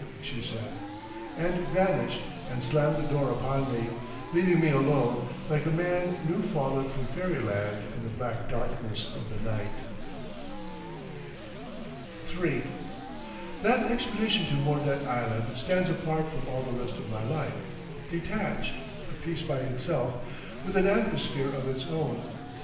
_" she said, and vanished and slammed the door upon me, leaving me alone like a man new fallen from fairyland in the black darkness of the night. III That expedition to Mordet Island stands apart from all the rest of my life, detached, a piece by itself with an atmosphere of its own.